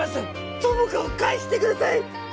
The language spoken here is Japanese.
友果を返してください！